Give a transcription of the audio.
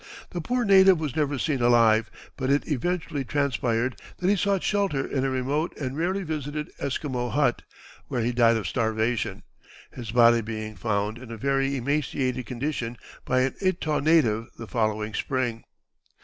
The poor native was never seen alive, but it eventually transpired that he sought shelter in a remote and rarely visited Esquimau hut, where he died of starvation, his body being found in a very emaciated condition by an Etah native the following spring.